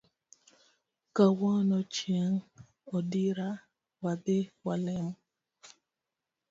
Kawuono chieng odira wadhi walemo